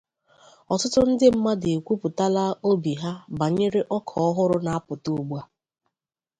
Ọtụtụ ndị mmadụ ekwuputala obi ha banyere ọka ọhụrụ na-apụta ugbua.